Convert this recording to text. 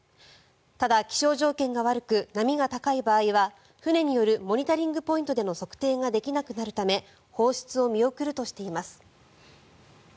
ただ、気象条件が悪く波が高い場合は船によるモニタリングポイントでの測定ができなくなるため放出を見送るとしています。